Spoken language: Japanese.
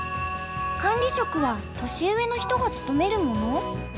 管理職は年上の人が務めるもの？